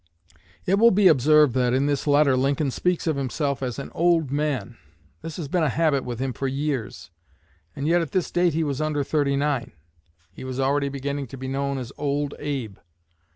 It will be observed that, in this letter Lincoln speaks of himself as an "old man." This had been a habit with him for years; and yet at this date he was under thirty nine. He was already beginning to be known as "Old Abe."